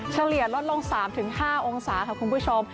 เฉลี่ยลดลง๓๕องศาค่ะคุณผู้ชม